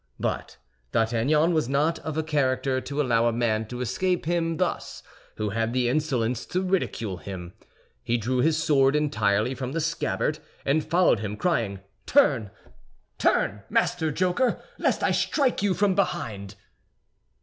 But, D'Artagnan was not of a character to allow a man to escape him thus who had the insolence to ridicule him. He drew his sword entirely from the scabbard, and followed him, crying, "Turn, turn, Master Joker, lest I strike you behind!"